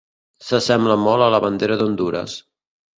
S'assembla molt a la bandera d'Hondures.